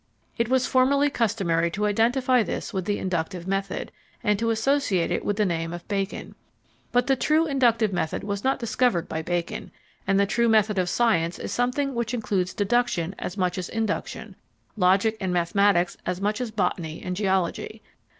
It was formerly customary to identify this with the inductive method, and to associate it with the name of Bacon. But the true inductive method was not discovered by Bacon, and the true method of science is something which includes deduction as much as induction, logic and mathematics as much as botany and geology.